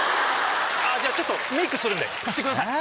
じゃあちょっとメイクするんで貸してください。